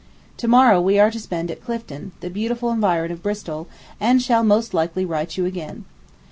To morrow we are to spend at Clifton, the beautiful environ of Bristol, and shall most likely write you again.